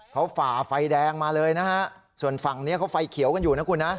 เขาฝ่าไฟแดงมาเลยนะฮะส่วนฝั่งนี้เขาไฟเขียวกันอยู่นะคุณนะ